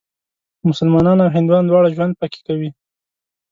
مسلمانان او هندوان دواړه ژوند پکې کوي.